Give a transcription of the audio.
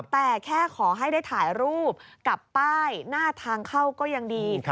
แต่แค่ขอให้ได้ถ่ายรูปกับป้ายหน้าทางเข้าก็ยังดี